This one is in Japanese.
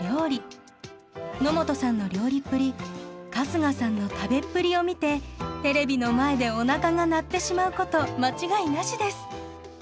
野本さんの料理っぷり春日さんの食べっぷりを見てテレビの前でおなかが鳴ってしまうこと間違いなしです。